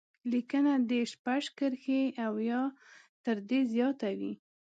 لیکنه دې شپږ کرښې او یا تر دې زیاته وي.